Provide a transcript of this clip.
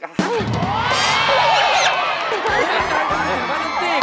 กลัวถูกพลาสติก